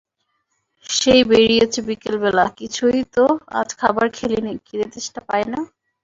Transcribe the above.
সেই বেরিয়েচো বিকেলবেলা, কিছুই তো আজ খাবার খেলিনে-খিদেতেষ্টা পায় না?